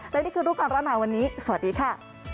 และนี่คือรูปการณ์หนาวันนี้สวัสดีค่ะ